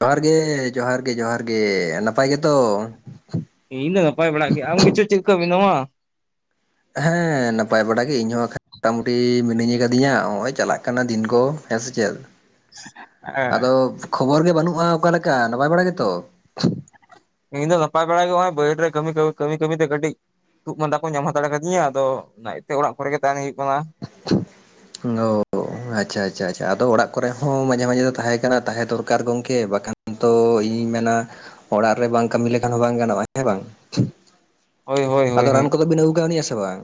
ᱡᱚᱦᱟᱨ ᱜᱮ, ᱡᱚᱦᱟᱨ ᱜᱮ, ᱡᱚᱦᱟᱨ ᱜᱮ᱾ ᱱᱟᱯᱟᱭ ᱜᱮᱛᱚ? ᱤᱧ ᱫᱚ ᱱᱟᱯᱟᱭ ᱵᱟᱲᱟᱜ ᱜᱮ, ᱟᱢ ᱜᱮᱪᱚ ᱪᱮᱫ ᱞᱮᱠᱟ ᱢᱮᱱᱟᱢᱟ? ᱦᱮᱸ ᱱᱟᱯᱟᱭ ᱵᱟᱲᱟ ᱜᱮ ᱤᱧ ᱦᱚᱸ ᱢᱚᱴᱟ ᱢᱩᱴᱤ ᱢᱤᱱᱟᱹᱧ ᱟᱠᱟᱫᱤᱧᱟ ᱱᱚᱜᱼᱚᱭ ᱪᱟᱞᱟᱜ ᱠᱟᱱᱟ ᱫᱤᱱ ᱠᱚ ᱦᱮᱸ ᱥᱮ ᱪᱮᱫ ᱦᱮᱸ ᱟᱫᱚ ᱠᱷᱚᱵᱚᱨ ᱜᱮ ᱵᱟᱹᱱᱩᱜᱼᱟ ᱚᱠᱟᱞᱮᱠᱟ ᱱᱟᱯᱟᱭ ᱵᱟᱲᱟ ᱜᱮᱛᱚ ᱤᱧ ᱫᱚ ᱱᱟᱯᱟᱭ ᱵᱟᱲᱟᱜ ᱜᱮ ᱱᱚᱜᱚᱭ ᱵᱟᱹᱭᱦᱟᱹᱲ ᱨᱮ ᱠᱟᱹᱢᱤ ᱠᱟᱹ ᱠᱟᱹᱢᱤ ᱠᱟᱹᱢᱤᱛᱮ ᱠᱟᱹᱴᱤᱡ ᱠᱦᱩ ᱢᱟᱸᱫᱟ ᱠᱚ ᱧᱟᱢ ᱦᱟᱛᱟᱲᱮ ᱠᱟᱫᱤᱧᱟ ᱟᱫᱚ ᱚᱱᱟᱛᱮ ᱚᱲᱟᱜ ᱠᱚᱨᱮ ᱜᱮ ᱛᱟᱦᱮᱱ ᱦᱩᱭᱩᱜ ᱠᱟᱱᱟ ᱚ [unintelligible] ᱟᱪᱪᱷᱟ ᱟᱪᱪᱷᱟ ᱟᱪᱷᱟ ᱟᱫᱚ ᱚᱲᱟᱜ ᱠᱚᱨᱮ ᱦᱚᱸ ᱢᱟᱡᱷᱮ ᱢᱟᱡᱷᱮ ᱫᱚ ᱛᱟᱦᱮᱸ ᱠᱟᱱᱟᱱᱟ ᱛᱟᱦᱮᱸ ᱫᱚᱨᱠᱟᱨ ᱜᱚᱝᱠᱮ ᱵᱟᱠᱷᱟᱱ ᱛᱚ ᱤᱧᱤᱧ ᱢᱮᱱᱟ ᱚᱲᱟᱜ ᱨᱮ ᱵᱟᱝ ᱠᱟᱹᱢᱤ ᱞᱮᱠᱷᱟᱱ ᱦᱚᱸ ᱵᱟᱝ ᱜᱟᱱᱚᱜᱼᱟ ᱦᱮᱸ ᱵᱟᱝ ᱦᱳᱭ ᱦᱳᱭ ᱟᱫᱚ ᱦᱳᱭ ᱦᱳᱭ ᱨᱟᱱ ᱠᱚᱫᱚ ᱵᱤᱱ ᱟᱹᱜᱩ ᱟᱠᱟᱣᱱᱟ ᱥᱮ ᱵᱟᱝ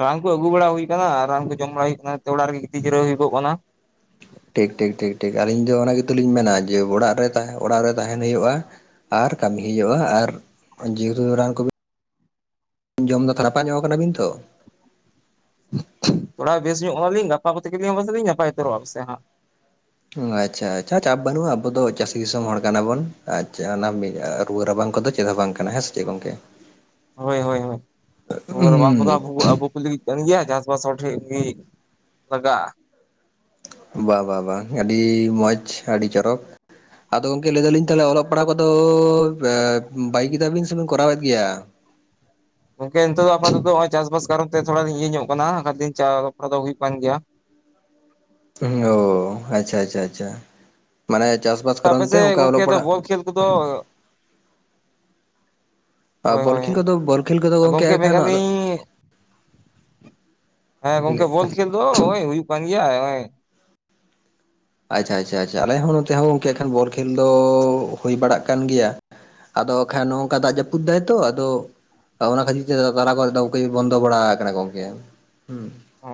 ᱨᱟᱱ ᱠᱚ ᱟᱹᱜᱩ ᱵᱟᱲᱟ ᱦᱩᱭ ᱟᱠᱟᱱᱟ ᱟᱨ ᱨᱟᱱ ᱠᱚ ᱡᱚᱢ ᱵᱟᱲᱟ ᱦᱩᱭ ᱟᱠᱟᱱᱟ ᱚᱲᱟᱜ ᱨᱮᱜ ᱜᱤᱛᱤᱡ ᱡᱤᱨᱟᱹ ᱦᱩᱭ ᱠᱚᱜ ᱠᱟᱱᱟ [inaudible] ᱴᱷᱤᱠ ᱴᱷᱤᱠ ᱴᱷᱤᱠ ᱴᱷᱤᱠ ᱟᱞᱤᱧ ᱫᱚ ᱚᱱᱟ ᱜᱮᱛᱚ ᱞᱤᱧ ᱢᱮᱱᱟ ᱡᱮ ᱚᱲᱟᱜ ᱨᱮ ᱛᱟᱦᱮᱸ ᱚᱲᱟᱜ ᱨᱮ ᱛᱟᱦᱮᱸᱱ ᱦᱩᱭᱩᱜᱼᱟ ᱟᱨ ᱠᱟᱹᱢᱤ ᱦᱩᱭᱩᱜᱼᱟ ᱟᱨ ᱡᱮ ᱦᱮᱛᱩ ᱨᱟᱱ ᱠᱚᱜ [unintelligible] ᱡᱚᱢ ᱫᱚ ᱛᱷᱟᱲᱟᱯᱟ ᱧᱚᱜ ᱟᱠᱟᱱᱟ ᱵᱤᱱ ᱛᱚ ᱛᱷᱚᱲᱟ ᱵᱮᱥ ᱧᱚᱜ ᱟᱠᱟᱱᱟᱜ ᱞᱤᱧ ᱜᱟᱯᱟ ᱠᱟᱛᱮ ᱜᱮ ᱯᱟᱞᱮ ᱞᱤᱧ [unintelligible] ᱱᱟᱯᱟᱭ ᱩᱛᱟᱹᱨᱚᱜᱼᱟ ᱯᱟᱥᱮᱜ [unintelligible] ᱦᱟᱸᱜ ᱟᱪᱪᱷᱟ ᱟᱪᱪᱷᱟ ᱪᱟᱯ ᱵᱟᱹᱱᱩᱜᱼᱟ ᱟᱵᱚ ᱫᱚ ᱪᱟᱹᱥᱤ ᱫᱤᱥᱚᱢ ᱦᱚᱲ ᱠᱟᱱᱟ ᱵᱚᱱ ᱟᱪᱪᱷᱟ ᱚᱱᱟ ᱢᱤ [unintelligible] ᱨᱩᱣᱟᱹ ᱨᱟᱵᱟᱝ ᱠᱚᱫᱚ ᱪᱮᱫ ᱦᱚᱸ ᱵᱟᱝ ᱠᱟᱱᱟ ᱦᱮᱸ ᱥᱮ ᱪᱮᱫ ᱜᱚᱝᱠᱮ ᱦᱳᱭ ᱦᱳᱭ ᱦᱳᱭ ᱨᱩᱣᱟᱹ ᱨᱟᱵᱟᱝ [unintelligible] ᱟᱵᱚ ᱠᱚ ᱞᱟᱹᱜᱤᱫ ᱠᱟᱱ ᱜᱮᱭᱟ ᱪᱟᱥᱼᱵᱟᱥ ᱦᱚᱲ ᱴᱷᱮᱱ ᱜᱮ ᱞᱟᱜᱟᱜᱼᱟ ᱵᱟ ᱵᱟᱝ ᱵᱟᱝ ᱟᱹᱰᱤ ᱢᱚᱸᱡᱽ ᱟᱹᱰᱤ ᱪᱚᱨᱚᱠ ᱟᱫᱚ ᱜᱚᱝᱠᱮ ᱞᱟᱹᱭ ᱮ ᱫᱟᱞᱤᱧ ᱛᱟᱦᱞᱮ ᱚᱞᱚᱜ [unintelligible] [unintelligible] ᱯᱟᱲᱦᱟᱣ ᱠᱚᱫᱚ ᱵᱟᱹᱜᱤ ᱠᱮᱫᱟ ᱵᱤᱱ ᱥᱮ ᱵᱤᱱ ᱠᱚᱨᱟᱣᱮᱫ ᱜᱮᱭᱟ ᱜᱚᱝᱠᱮ ᱱᱤᱛᱚᱜ ᱫᱚ ᱟᱯᱟ [unintelligible] ᱱᱚᱜ ᱪᱟᱥ ᱵᱟᱥ ᱠᱟᱨᱚᱱ ᱛᱮ ᱛᱷᱚᱲᱟ ᱞᱤᱧ ᱤᱭᱟᱹ ᱧᱚᱜ ᱟᱠᱟᱱᱟ ᱵᱟᱝ ᱠᱷᱟᱱ ᱫᱤᱱ [unintelligible] ᱨᱚᱯᱚᱲ ᱫᱚ ᱦᱩᱭᱩᱜ ᱠᱟᱱ ᱜᱮᱭᱟ ᱚᱻ ᱟᱪᱪᱷᱟ ᱟᱪᱪᱷᱟ ᱟᱪᱪᱷᱟ ᱢᱟᱱᱮ ᱪᱟᱥ ᱵᱟᱥ ᱠᱟᱨᱚᱱ ᱛᱮ ᱟᱯᱮᱥᱮᱫ ᱚᱱᱠᱟ ᱜᱚᱝᱠᱮ ᱚᱞᱚᱜ ᱫᱚ ᱯᱟᱲᱦᱟᱜ ᱵᱚᱞ ᱠᱷᱮᱞ ᱠᱚᱫᱚ ᱦᱳᱭ ᱵᱚᱞ ᱦᱳᱭ ᱠᱷᱮᱞ ᱠᱚᱫᱚ ᱵᱚᱞ ᱠᱷᱮᱞ ᱠᱚᱫᱚ ᱜᱚᱝᱠᱮ ᱮᱠᱷᱟᱱ ᱢᱮᱱᱮᱫᱻᱟ ᱟᱫᱚ ᱞᱤᱧ [unintelligible] ᱦᱮᱸ ᱜᱚᱝᱠᱮ ᱵᱚᱞ ᱠᱷᱮᱞ ᱫᱚ ᱳᱭ ᱦᱩᱭᱩᱜ ᱠᱟᱱ ᱜᱮᱭᱟ ᱱᱚᱜ ᱳᱭ ᱟᱪᱪᱷᱟ ᱟᱪᱪᱷᱟ ᱟᱪ ᱟᱞᱮ ᱦᱚᱸᱚᱸ ᱱᱚᱛᱮ ᱦᱚᱸ ᱮᱱᱠᱦᱟᱱ ᱜᱚᱝᱠᱮ ᱵᱚᱞ ᱠᱷᱮᱞ ᱫᱚ ᱦᱩᱭ ᱵᱟᱲᱟᱜ ᱠᱟᱱ ᱜᱮᱭᱟ ᱟᱫᱚ ᱠᱷᱟᱱ ᱱᱚᱝᱠᱟ ᱫᱟᱜ ᱡᱟᱹᱯᱩᱫ ᱫᱟᱭ ᱛᱚ ᱟᱫᱚ ᱚᱱᱟ ᱠᱷᱟᱹᱡ ᱛᱮ ᱛᱟᱨᱟ ᱠᱚ ᱵᱚᱱᱫ ᱵᱲᱟ ᱠᱟᱱᱟ ᱜᱚᱝᱠᱮ [unintelligible]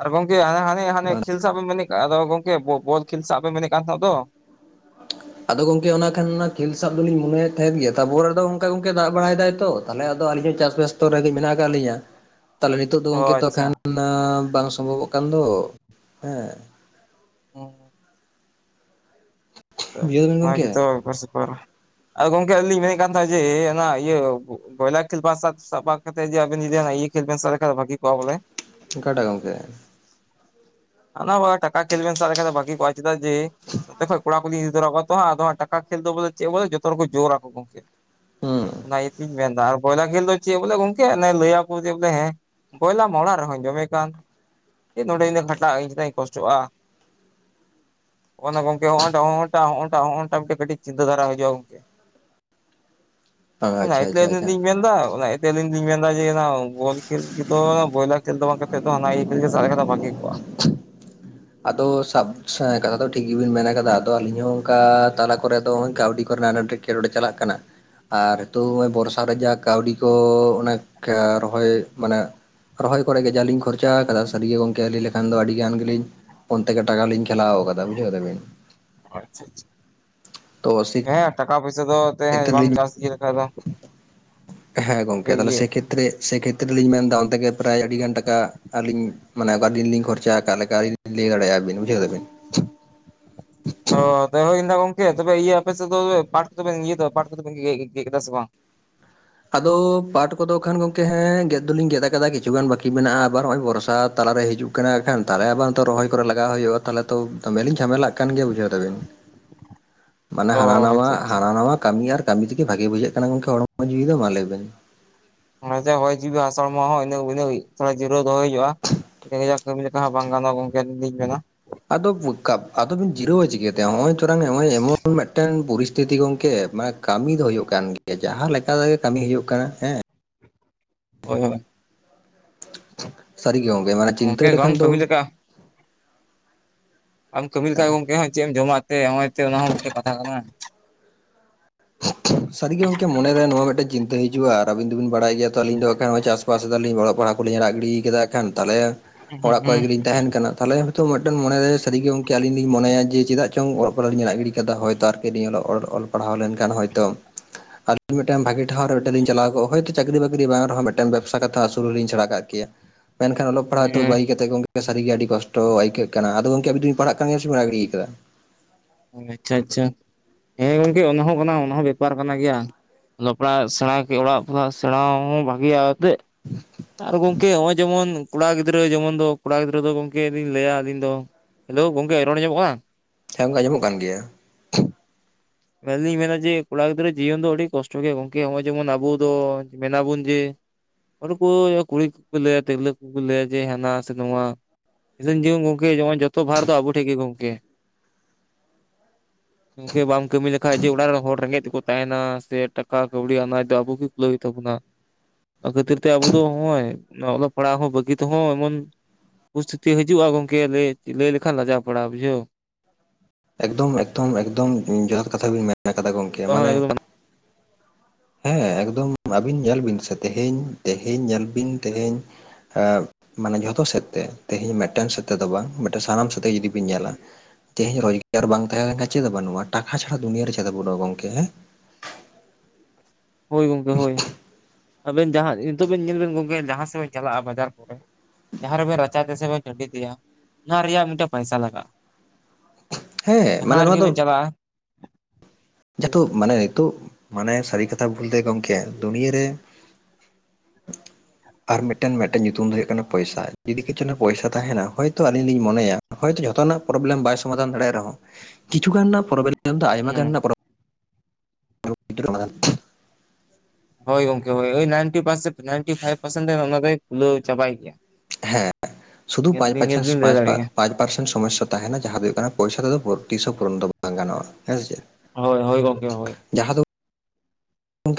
ᱟᱨ ᱜᱚᱝᱠᱮ ᱦᱟᱱᱮ ᱦᱟᱱᱮ ᱦᱟᱱᱮ ᱠᱷᱮᱞ ᱥᱟᱵ ᱢᱟᱱᱮᱜ [unintelligible] ᱟᱫᱚ ᱜᱚᱝᱠᱮ ᱵᱚᱞ ᱵᱚᱞ ᱠᱷᱮᱞ ᱥᱟᱵᱯᱮ ᱮᱱᱮᱜ ᱢᱮᱱᱮᱜ ᱠᱟᱱ ᱛᱟᱦᱮᱸ ᱫᱚ ᱟᱫᱚ ᱜᱚᱝᱠᱮ ᱚᱱᱟ ᱠᱷᱟᱱ ᱚᱱᱟ ᱠᱷᱮᱞ ᱥᱟᱵ ᱫᱚᱞᱤᱧ ᱢᱚᱱᱮᱭᱮᱫ ᱜᱮ ᱛᱟᱦᱮᱸᱱ ᱜᱮ ᱛᱟᱯᱚᱨ ᱨᱮᱫᱚ ᱚᱱᱠᱟ ᱜᱚᱝᱠᱮ ᱫᱟᱜ ᱵᱟᱲᱟᱭᱮᱫᱟᱭ ᱛᱚ ᱛᱟᱦᱚᱞᱮ ᱟᱫᱚ ᱟᱹᱞᱤᱧ ᱦᱚᱸ ᱪᱟᱥ ᱵᱮᱭᱥᱛᱚ ᱨᱮ ᱜᱮ ᱢᱮᱱᱟᱜ ᱟᱠᱟᱫ ᱞᱤᱧᱟᱸ ᱛᱟᱦᱚᱞᱮ ᱱᱤᱛᱚᱜ ᱫᱚ ᱚ ᱜᱚᱝᱠᱮ ᱛᱚ ᱟᱪᱪᱷᱟ ᱠᱷᱟᱱ ᱵᱟᱝ ᱥᱚᱢᱵᱷᱚ ᱵᱚᱜ ᱠᱟᱱ ᱫᱚ ᱦᱮᱸ ᱦ ᱛᱚ ᱵᱩᱡᱷᱟᱹᱣ ᱫᱟᱵᱤᱱ ᱚᱱᱟᱜ ᱜᱚᱝᱠᱮ ᱛᱚ ᱵᱟᱥ [unintelligible] ᱟᱫᱚ ᱜᱚᱝᱠᱮ ᱟᱹᱞᱤ ᱞᱤᱧ ᱢᱮᱱᱮᱫ ᱠᱟᱱ ᱛᱟᱦᱮᱸᱱᱟ ᱡᱮ ᱚᱱᱟ ᱤᱭᱟᱹ ᱵᱚᱭᱞᱟᱨ ᱠᱷᱮᱞ [unintelligible] ᱥᱟ [unintelligible] [unintelligible] ᱠᱟᱛᱮ ᱟᱵᱤᱱ ᱤᱭᱟᱹ ᱠᱷᱮᱞ ᱵᱮᱱ [unintelligible] ᱠᱷᱟᱱ ᱵᱷᱟᱹᱜᱤ ᱠᱚᱜᱼᱟ ᱵᱚᱞᱮ ᱚᱠᱟ ᱴᱟᱜ ᱜᱚᱝᱠᱮ [unintelligible] ᱴᱟᱠᱟ ᱠᱷᱮᱞ ᱵᱮᱱ ᱥᱟᱵ ᱛᱟᱦᱮᱸ ᱞᱮᱠᱷᱟᱱ ᱵᱷᱟᱜᱤ ᱠᱚ ᱪᱮᱫᱟᱜ ᱡᱮ ᱱᱚᱛᱮ ᱠᱷᱟᱡ ᱠᱚᱲᱟ ᱠᱚ ᱞᱤᱧ ᱤᱫᱤ ᱛᱚᱨᱟ ᱠᱚᱣᱟ [unintelligible] ᱛᱚ ᱦᱟᱸ ᱮ ᱟᱫᱚ ᱴᱟᱠᱟ ᱠᱷᱮᱞ ᱫᱚ ᱵᱚᱞᱮ ᱪᱮᱜ ᱦᱚᱸ ᱵᱟᱝᱼᱟ ᱵᱚᱞᱮ ᱡᱚᱛᱚ ᱦᱚᱲᱠᱚ ᱡᱳᱨᱟ ᱟᱠᱚ ᱜᱚᱝᱠᱮ ᱦᱮᱸ [unintelligible] ᱚᱱᱟ ᱤᱭᱟᱹᱛᱤᱧ ᱢᱮᱱᱫᱟ ᱟᱨ ᱵᱚᱭᱞᱟᱨ ᱠᱷᱮᱞ ᱫᱚ ᱪᱮᱫ ᱵᱚᱞᱮ ᱜᱚᱝᱠᱮ ᱞᱟᱹᱭᱟᱚ ᱵᱚᱞ ᱦᱮᱸ [unintelligible] ᱠᱚᱭᱞᱟ ᱢᱟ ᱚᱲᱟᱜ ᱨᱮ ᱦᱚᱧ ᱡᱚᱢᱮᱜ ᱠᱟᱱ ᱪᱮᱜ ᱱᱚᱸᱰᱮ ᱩᱱᱟᱹᱜ ᱤᱧ ᱠᱷᱟᱴᱟᱜᱼᱟ ᱤᱧ ᱪᱮᱫᱟᱜ ᱤᱧ ᱠᱚᱥᱴᱚᱜᱼᱟ [unintelligible] ᱜᱚᱝᱠᱮ ᱚᱸᱜ ᱴᱟᱜ ᱚᱸᱜ ᱴᱟᱜ ᱚᱸᱜ ᱴᱟᱜ ᱠᱟᱴᱤᱡ ᱪᱤᱱᱛᱟᱹ ᱫᱷᱟᱨᱟ ᱦᱤᱡᱩᱜᱻᱟ ᱜᱚᱝᱠᱮ [inaudible] ᱟᱪᱪᱷᱟ ᱚᱱᱟᱭᱛᱮ ᱟᱪᱪᱷᱟ ᱟᱹᱞᱤ ᱟᱪᱪᱷᱟ ᱞᱤᱧ ᱢᱮᱱᱫᱟ ᱚᱱᱟᱛᱮ ᱟᱹᱞᱤᱧ ᱞᱤᱧ ᱢᱮᱱᱫᱟ ᱡᱮ ᱟᱱᱟ ᱵᱚᱞ ᱠᱷᱮᱞᱫᱚ ᱵᱚᱭᱞᱟᱨ ᱠᱷᱮᱞ ᱫᱚ ᱵᱟᱝ ᱠᱟᱛᱮ ᱫᱚ ᱦᱟᱱᱟ ᱤᱭᱟᱹ ᱠᱷᱮᱞ ᱜᱮ ᱥᱟᱵ ᱞᱮᱠᱷᱟᱱ ᱵᱷᱟᱹᱜᱤ ᱠᱚᱜᱼᱟ ᱟᱫᱚ ᱥᱟᱵ ᱠᱟᱛᱷᱟ ᱫᱚ ᱴᱷᱤᱠ ᱜᱮᱵᱤᱱ ᱢᱮᱱ ᱟᱠᱟᱫᱟ ᱟᱫᱚ ᱟᱞᱤᱧ ᱦᱚᱸ ᱚᱱᱠᱟ ᱛᱟᱞᱟ ᱠᱚᱨᱮᱫ ᱫᱚ ᱠᱟᱹᱣᱰᱤ ᱠᱚᱨᱮᱱᱟᱷ ᱠᱮᱞᱚᱰᱮ ᱪᱟᱞᱟᱜ ᱠᱟᱱᱟ ᱟᱨ ᱱᱤᱛᱚᱜ ᱵᱚᱨᱥᱟ ᱨᱮᱡᱟᱜ ᱠᱟᱹᱣᱰᱤ ᱠᱚ ᱚᱱᱮ ᱨᱚᱦᱚᱭ ᱢᱟᱱᱮ [unintelligible] ᱨᱚᱦᱚᱭ ᱠᱚᱨᱮ ᱜᱮ ᱡᱟᱞᱤᱧ ᱠᱷᱚᱨᱪᱟ ᱟᱠᱟᱫᱟ ᱥᱟᱹᱨᱤᱜᱮ ᱜᱚᱝᱠᱮ ᱞᱟᱹᱭ ᱞᱮᱠᱷᱟᱱ ᱫᱚ ᱟᱹᱰᱤ ᱜᱟᱱ ᱜᱮᱞᱤᱧ ᱚᱱᱛᱮ ᱜᱮ ᱴᱟᱠᱟ ᱞᱤᱧ ᱠᱷᱮᱞᱟᱣ ᱟᱠᱟᱫᱟ ᱵᱩᱡᱷᱟᱹᱣ ᱫᱟᱵᱤᱱ ᱟᱪᱪᱷᱟ ᱟᱪᱪᱷᱟ ᱛᱚ ᱟᱥᱤᱼᱼ ᱦᱮᱸ ᱴᱟᱠᱟ ᱯᱚᱭᱥᱟ ᱫᱚ [unintelligible] ᱵᱟᱢ ᱪᱟᱥ ᱤᱫᱤ ᱞᱮᱠᱷᱟᱡ ᱫᱚ ᱦᱮᱸ ᱟᱹᱰᱤ ᱜᱚᱝᱠᱮ ᱛᱟᱦᱚᱞᱮ ᱤᱭᱟᱹ ᱥᱮ ᱠᱷᱮᱛᱨᱮ ᱥᱮ ᱠᱷᱮᱛ ᱨᱮᱞᱤᱧ ᱢᱮᱱᱫᱟ ᱚᱱᱛᱮ ᱜᱮ ᱯᱨᱟᱭ ᱟᱹᱰᱤᱜᱟᱱ ᱴᱟᱠᱟ ᱟᱹᱞᱤᱧ ᱢᱟᱱᱮ ᱚᱠᱟ ᱫᱤᱱ ᱞᱤᱧ ᱠᱷᱚᱨᱪᱟ ᱟᱠᱟ ᱞᱮᱠᱟᱞᱤᱧ ᱞᱟᱹᱭ ᱫᱟᱲᱮᱭᱟᱜ ᱟᱵᱤᱱ ᱵᱩᱡᱟᱹᱣ ᱫᱟᱵᱤᱱ ᱚ ᱦᱳᱭ ᱮᱫᱟ ᱜᱚᱝᱠᱮ ᱛᱚᱵᱮ ᱤᱭᱟᱹ ᱟᱯᱮ ᱥᱮᱫ ᱫᱚ ᱯᱟᱴ ᱫᱚᱵᱮᱱ ᱤᱭᱟᱹ ᱫᱚ ᱯᱟᱴ ᱠᱚᱫᱚ ᱵᱮᱱ ᱤᱭᱟᱹ ᱜᱮᱜ ᱠᱮᱫᱟ ᱥᱮ ᱵᱟᱝ ᱟᱫᱚ ᱯᱟᱴ ᱠᱚᱫᱚ ᱠᱷᱟᱱ ᱜᱚᱢᱠᱮ ᱦᱮᱸ ᱜᱮᱫ ᱫᱚᱞᱤᱧ ᱜᱮᱫ ᱟᱠᱟᱫᱟ ᱠᱤᱪᱷᱩ ᱜᱟᱱ ᱵᱟᱹᱠᱤ ᱢᱮᱱᱟᱜᱼᱟ ᱟᱵᱟᱨ ᱱᱚᱜ ᱚᱭ ᱵᱚᱨᱥᱟ ᱛᱟᱞᱟᱨᱮ ᱦᱤᱡᱩᱜ ᱠᱟᱱᱟ ᱠᱷᱟᱱ ᱛᱟᱦᱚᱞᱮ ᱟᱵᱟᱨ ᱛᱚ ᱨᱚᱦᱚᱭ ᱠᱚᱨᱮ ᱞᱟᱜᱟᱜ ᱦᱩᱭᱩᱜᱼᱟ ᱛᱟᱦᱞᱮ ᱛᱚ ᱫᱚᱢᱮᱞᱤᱧ ᱡᱷᱟᱢᱮᱞᱟᱜ ᱠᱟᱱ ᱜᱮᱭᱟ ᱵᱩᱡᱷᱟᱹᱣ ᱫᱟᱵᱤᱱ ᱢᱟᱱᱮ ᱚ ᱦᱟᱱᱟ ᱱᱟᱣᱟ ᱟᱪᱪᱷᱟ ᱟᱪᱪᱷᱟ ᱦᱟᱱᱟ ᱱᱟᱣᱟ ᱠᱟᱹᱢᱤ ᱟᱨ ᱠᱟᱹᱢᱤ ᱛᱮᱜᱮ ᱵᱷᱟᱜᱮ ᱵᱩᱡᱷᱟᱹᱜ ᱠᱟᱱᱟ ᱜᱚᱝᱠᱮ ᱦᱚᱲᱢᱚ ᱡᱤᱣᱤ ᱫᱚ ᱢᱟ ᱞᱟᱹᱭ ᱵᱮᱱ ᱢᱟᱱᱮ ᱦᱚᱭ ᱡᱤᱣᱤ ᱦᱟᱥᱟ ᱦᱚᱲᱢᱚ ᱦᱚᱸ [inaudible] ᱛᱷᱚᱲᱟ ᱡᱤᱨᱟᱹᱣ ᱫᱚᱦᱚᱭ ᱦᱩᱭᱩᱜᱼᱟ [inaudible] ᱠᱟᱹᱢᱤ ᱞᱮᱠᱟ ᱦᱚᱸ ᱵᱟᱝ ᱜᱟᱱᱚᱜ ᱜᱚᱝᱠᱮ ᱟᱞᱤᱧ ᱞᱤᱧ ᱢᱮᱱᱟ ᱟᱫᱚ [unintelligible] ᱵᱤᱱ ᱡᱤᱨᱟᱹᱣᱟ ᱪᱤᱠᱟᱹᱛᱮ ᱱᱟᱜ-ᱚᱭ ᱛᱚᱨᱟᱝ ᱱᱚᱜᱼᱚᱭ ᱮᱢᱚᱱ ᱢᱤᱫᱴᱮᱱ ᱯᱚᱨᱤᱥᱛᱷᱤᱛᱤ ᱜᱚᱝᱠᱮ ᱢᱟ ᱠᱟᱹᱢᱤ ᱫᱚ ᱦᱩᱭᱩᱜ ᱠᱟᱱ ᱜᱮᱭᱟ᱾ ᱡᱟᱦᱟᱸ ᱞᱮᱠᱟ ᱛᱮᱜᱮ ᱠᱟᱹᱢᱤ ᱦᱩᱭᱩᱜ ᱠᱟᱱᱟ ᱦᱮᱸ ᱦᱳᱭ ᱥᱟᱹᱨᱤ ᱜᱮ ᱜᱚᱢᱠᱮ ᱢᱟᱱᱮ ᱪᱤᱱᱛᱟᱹ ᱜᱚᱝᱠᱮ ᱵᱟᱢ ᱞᱮᱠᱷᱟᱱ ᱫᱚ ᱠᱟᱹᱢᱤ ᱞᱮᱠᱟ ᱟᱢ ᱠᱟᱹᱢᱤ ᱞᱮᱠᱷᱟᱡ ᱜᱚᱢᱠᱮ ᱦᱚᱸ ᱪᱮᱫ ᱮᱢ ᱡᱚᱢᱟ ᱛᱮ ᱱᱚᱜᱼᱚᱭ ᱚᱱᱟ ᱦᱚᱸ ᱢᱤᱫᱴᱮᱱ ᱠᱟᱛᱷᱟ ᱠᱟᱱᱟ᱾ ᱥᱟᱹᱨᱤᱜᱮ ᱜᱚᱝᱠᱮ ᱢᱚᱱᱮᱨᱮ ᱱᱚᱣᱟ ᱢᱤᱫᱴᱮᱱ ᱪᱤᱱᱛᱟᱹ ᱦᱤᱡᱩᱜᱼᱟ ᱟᱨ ᱟᱹᱵᱤᱱ ᱫᱚᱵᱤᱱ ᱵᱟᱲᱟᱭ ᱜᱮᱭᱟ ᱛᱚ ᱟᱞᱤᱧ ᱫᱚ [inaudible] ᱪᱟᱥᱵᱟᱥ ᱚᱠᱟ ᱥᱮᱫ ᱟᱞᱤᱧ ᱚᱞᱚᱜ ᱯᱟᱲᱦᱟᱜ ᱠᱚᱞᱤᱧ ᱟᱲᱟᱜ ᱜᱤᱰᱤ ᱠᱮᱫᱟ ᱮᱠᱷᱟᱱ ᱛᱟᱦᱚᱞᱮ ᱚᱲᱟᱜ ᱠᱚᱨᱮ ᱜᱮᱞᱤᱧ ᱛᱟᱦᱮᱱ ᱠᱟᱱᱟ ᱛᱟᱦᱚᱞᱮ ᱦᱚᱭᱛᱚ ᱢᱤᱫᱟᱝ ᱢᱚᱱᱮᱨᱮ ᱥᱟᱹᱨᱤ ᱜᱮ ᱜᱚᱢᱠᱮ ᱟᱞᱤᱧ ᱞᱤᱧ ᱢᱚᱱᱮᱭᱟ ᱡᱮ ᱪᱮᱫᱟᱜ ᱪᱚᱝ ᱚᱞᱚᱜ ᱯᱟᱲᱦᱟᱜ ᱞᱤᱧ ᱟᱲᱟᱜ ᱜᱤᱰᱤ ᱠᱟᱫᱟ ᱦᱚᱭᱛᱚ ᱟᱨ ᱚᱞ ᱯᱟᱲᱦᱟᱣ ᱞᱮᱱᱠᱷᱟᱱ ᱦᱚᱭᱛᱳ ᱟᱞᱤᱧ ᱢᱤᱫᱴᱟᱝ ᱵᱷᱟᱜᱤ ᱴᱷᱟᱶ ᱨᱮ [inaudible] ᱞᱤᱧ ᱪᱟᱞᱟᱣ ᱠᱚᱜ ᱪᱟᱹᱠᱨᱤ ᱵᱟᱹᱠᱨᱤ ᱵᱟᱝ ᱨᱮᱦᱚᱸ ᱢᱤᱫᱴᱟᱝ ᱵᱮᱵᱽᱥᱟ ᱠᱟᱛᱷᱟ ᱟᱹᱥᱩᱞ ᱞᱤᱧ ᱥᱮᱬᱟ ᱠᱟᱜ ᱠᱮᱭᱟ ᱢᱮᱱᱠᱷᱟᱱ ᱚᱞᱚᱜ ᱯᱟᱲᱦᱟᱜ ᱛᱚ ᱵᱟᱹᱜᱤ ᱠᱟᱛᱮᱫ [inaudible] ᱥᱟᱹᱨᱤ ᱜᱮ ᱟᱹᱰᱤ ᱠᱚᱥᱴᱚ ᱟᱹᱭᱠᱟᱹᱜ ᱠᱟᱱᱟ ᱟᱫᱚ ᱜᱚᱢᱠᱮ ᱟᱵᱤᱱ ᱫᱚᱤᱱ ᱯᱟᱲᱦᱟᱜ ᱠᱟᱱ ᱜᱮᱭᱟ ᱥᱮᱵᱤᱱ ᱟᱲᱟᱜ ᱜᱤᱰᱤ ᱟᱠᱟᱫᱟ ᱚ ᱟᱪᱪᱷᱟ ᱟᱪᱪᱷᱟ ᱦᱮᱸ ᱜᱚᱝᱠᱮ ᱚᱱᱟ ᱦᱚᱸ ᱠᱟᱱᱟ ᱚᱱᱟ ᱦᱚᱸ ᱵᱮᱯᱟᱨ ᱠᱟᱱᱟ ᱜᱮᱭᱟ ᱚᱞᱚᱜᱯᱟᱲᱟᱜ ᱥᱮᱬᱟ ᱠᱮ ᱚᱲᱟᱜ ᱯᱟᱲᱦᱟᱜ ᱥᱮᱬᱟ ᱦᱚᱸ ᱵᱷᱟᱜᱮᱭᱟ ᱮᱛᱮᱫ [unintelligible] ᱟᱨ ᱜᱚᱝᱠᱮ ᱱᱚᱜᱚᱭ ᱡᱮᱢᱚᱱ ᱠᱚᱲᱟ ᱜᱤᱫᱽᱨᱟᱹ ᱡᱮᱢᱚᱱ ᱫᱚ ᱠᱚᱲᱟ ᱜᱤᱫᱽᱨᱟᱹ ᱫᱚ ᱜᱚᱝᱠᱮ ᱞᱤᱧ ᱞᱟᱹᱭᱟ ᱟᱞᱤᱧ ᱫᱚ ᱦᱮᱞᱳ ᱜᱚᱝᱠᱮ ᱨᱚᱲ ᱟᱸᱡᱚᱢᱚᱜ ᱦᱮᱸ ᱟᱸᱡᱚᱢᱚᱜ ᱠᱟᱱ ᱜᱮᱭᱟ ᱾ ᱢᱮᱱᱫᱤᱧ ᱢᱮᱱᱟ ᱡᱮ ᱠᱚᱲᱟ ᱜᱤᱫᱽᱨᱟᱹ ᱡᱤᱭᱚᱱ ᱫᱚ ᱟᱹᱰᱤ ᱠᱚᱥᱴᱚ ᱜᱮ ᱜᱚᱝᱠᱮ ᱱᱚᱜ ᱚᱭ ᱡᱮᱢᱚᱱ ᱟᱵᱚ ᱫᱚ ᱢᱮᱱᱟᱵᱚᱱ ᱡᱮ ᱩᱱᱠᱩ ᱠᱩᱲᱤ ᱠᱚᱠᱚ ᱞᱟᱹᱭᱟ ᱛᱤᱨᱞᱟᱹ ᱠᱚᱠᱚ ᱞᱟᱹᱭᱟ ᱡᱮ ᱦᱟᱱᱟ ᱥᱮ ᱱᱚᱶᱟ ᱾ ᱜᱚᱢᱠᱮ ᱡᱮᱢᱚᱱ ᱡᱚᱛᱚ ᱵᱷᱟᱨ ᱫᱚ ᱟᱵᱚ ᱴᱷᱮᱱ ᱜᱮ ᱜᱚᱝᱠᱮ [unintelligible] ᱜᱚᱢᱠᱮ ᱵᱟᱢ ᱠᱟᱹᱢᱤ ᱞᱮᱠᱷᱟᱡ ᱡᱮ ᱚᱲᱟᱜ ᱨᱮᱱ ᱦᱚᱲ ᱨᱮᱸᱜᱮᱡ ᱛᱮᱠᱚ ᱛᱟᱦᱮᱱᱟ ᱥᱮ ᱴᱟᱠᱟ ᱠᱟᱹᱣᱰᱤ ᱟᱱᱟᱴ ᱫᱚ ᱟᱵᱚ ᱛᱟᱵᱚᱱᱟ ᱚᱱᱟ ᱠᱷᱟᱹᱤᱨ [inaudible] ᱟᱵᱚ ᱫᱚ ᱱᱚᱜ ᱚᱭ ᱚᱞᱚᱜ ᱯᱟᱲᱦᱟᱜ ᱦᱚᱸ ᱵᱟᱹᱜᱤ ᱛᱮᱦᱚᱸ ᱮᱢᱚᱱ ᱯᱚᱨᱤᱥᱛᱷᱤᱛᱤ ᱦᱤᱡᱩᱜᱼᱟ ᱜᱚᱝᱠᱮ ᱞᱟᱹᱭ ᱞᱟᱹᱭ ᱞᱮᱠᱷᱟᱱ ᱞᱟᱡᱟᱣ ᱯᱟᱲᱟ ᱵᱩᱡᱷᱟᱹᱣ ᱾ ᱮᱠᱫᱚᱢ ᱮᱠᱫᱚᱢ ᱮᱠᱫᱚᱢ ᱡᱚᱛᱷᱟᱛ ᱠᱟᱛᱷᱟ ᱵᱮᱱ ᱢᱮᱱ ᱠᱟᱫᱟ ᱜᱚᱢᱠᱮ ᱢᱟᱱᱮ ᱦᱮᱸ ᱮᱠᱫᱚᱢ ᱟᱵᱤᱱ ᱧᱮᱞ ᱵᱤᱱ ᱥᱮ ᱛᱮᱦᱮᱧ ᱛᱮᱦᱮᱧ ᱧᱮᱞ ᱵᱤᱱ ᱛᱮᱦᱮᱧ ᱾ ᱮ ᱢᱟᱱᱮ ᱡᱷᱚᱛᱚ ᱥᱮᱫ ᱛᱮ ᱛᱮᱦᱤᱧ ᱢᱤᱫᱴᱮᱱ ᱥᱮᱫ ᱛᱮᱫᱚ ᱵᱟᱝ ᱢᱤᱫᱴᱮᱱ ᱥᱟᱱᱟᱢ ᱥᱟᱛᱮ ᱡᱩᱫᱤ ᱵᱤᱱ ᱧᱮᱞᱟ ᱾ ᱛᱮᱦᱤᱧ ᱨᱳᱡᱽᱜᱟᱨ ᱵᱟᱝ ᱛᱟᱦᱮᱸ ᱞᱮᱱᱠᱷᱟᱱᱡ ᱪᱮᱫ ᱵᱟᱹᱱᱩᱜᱼᱟ ᱴᱟᱠᱟ ᱪᱷᱟᱲᱟ ᱫᱩᱱᱭᱟᱨᱮ ᱪᱮᱫ ᱵᱟᱹᱱᱩᱜᱼᱟ ᱜᱚᱢᱠᱮ ᱦᱮᱸ ᱦᱳᱭ ᱜᱚᱝᱠᱮ ᱦᱳᱭ ᱟᱵᱮᱱ ᱡᱟᱦᱟᱸ ᱱᱤᱛᱚᱜ ᱵᱮᱱ ᱧᱮᱞ ᱵᱮᱱ ᱜᱚᱢᱠᱮ ᱡᱟᱦᱟᱸ ᱥᱮᱫ ᱵᱮᱱ ᱪᱟᱞᱟᱜᱼᱟ ᱵᱟᱡᱟᱨ ᱠᱚᱨᱮ ᱡᱟᱦᱟᱸ ᱨᱮᱵᱮᱱ ᱨᱟᱪᱟ ᱛᱟᱭ ᱥᱮᱵᱮᱱ ᱴᱟᱺᱰᱤ ᱛᱟᱭᱟ ᱚᱱᱟ ᱨᱮᱭᱟᱜ ᱢᱤᱫ ᱴᱮᱱ ᱯᱚᱭᱥᱟ ᱞᱟᱜᱟᱜᱼᱟ ᱾ [unintelligible] ᱢᱟᱱᱮ ᱡᱟᱦᱟᱸ ᱨᱮᱜᱮᱵᱤᱱ ᱪᱟᱞᱟᱜᱼᱟ ᱾ ᱡᱮᱦᱮᱛᱩ ᱢᱟᱱᱮ ᱱᱤᱛᱚᱜ ᱢᱟᱱᱮ ᱥᱟᱹᱨᱤ ᱠᱟᱛᱷᱟ ᱵᱩᱞᱛᱮ ᱜᱚᱢᱠᱮ ᱫᱩᱱᱭᱟᱹᱨ ᱨᱮ [unintelligible] ᱟᱨ ᱢᱤᱫᱴᱮᱱ ᱢᱤᱫ ᱴᱮᱱ ᱧᱩᱛᱩᱢ ᱫᱚ ᱦᱩᱭᱩᱜ ᱠᱟᱱᱟ ᱯᱚᱭᱥᱟ ᱡᱩᱫᱤ ᱠᱤᱪᱷᱩ ᱯᱚᱭᱥᱟ ᱛᱟᱦᱮᱱᱟ ᱦᱚᱭᱛᱳ ᱟᱞᱤᱧ ᱞᱤᱧ ᱢᱚᱱᱮᱭᱟ ᱾ ᱦᱚᱭᱛ ᱡᱚᱛᱚᱱᱟᱜ ᱯᱨᱚᱵᱞᱮᱢ ᱵᱟᱭ ᱥᱚᱢᱟᱫᱟᱱ ᱫᱟᱲᱮᱭᱟᱜ ᱨᱮᱦᱚᱸ ᱠᱤᱪᱷᱩᱟᱱ ᱨᱮᱱᱟᱜ ᱯᱨᱚᱵᱞᱮᱢ ᱟᱭᱢᱟ ᱦᱮᱸ ᱜᱟᱱ ᱯᱨ [unintelligible] ᱦᱳᱭ ᱜᱚᱝᱠᱮ ᱦᱳᱭ ninety percent ninety five percent ᱚᱱᱟ ᱫᱚᱭ ᱠᱷᱩᱞᱟᱹᱣ ᱪᱟᱵᱟᱭ ᱜᱮᱭᱟ ᱦᱮ ᱥᱩᱫᱷᱩ ᱱᱤᱭᱟᱹ ᱯᱟᱸᱪ ᱫᱚᱞᱤᱧ ᱱᱤᱭᱟᱹ ᱯᱟᱪᱷᱮ ᱫᱚᱞᱤᱧ ᱞᱟᱹᱭ ᱯᱟᱸᱪ ᱯᱟᱸᱪ ᱫᱟᱲᱮᱭᱟᱜᱼᱟ ᱯᱟᱸᱪ ᱯᱟᱨᱥᱮᱱ ᱥᱚᱢᱚᱥᱥᱟ ᱛᱟᱦᱮᱱᱟ ᱡᱟᱦᱟᱸ ᱫᱚ ᱦᱩᱭᱩᱜ ᱠᱟᱱᱟ ᱯᱚᱭᱥᱟ ᱛᱮᱫᱚ ᱛᱤᱥ ᱦᱚᱸ ᱯᱩᱨᱚᱱ ᱫᱚ ᱵᱟᱝ ᱜᱟᱱᱚᱜᱼᱟ ᱦᱮᱸ ᱥᱮ ᱪᱮ ᱦᱳᱭ ᱦᱳᱭ ᱜᱚᱝᱠᱮ ᱦᱳᱭ ᱡᱟᱦᱟᱸ ᱫᱚᱝ